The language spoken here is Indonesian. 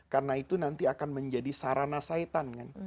karena itu nanti akan menjadi sarana saitan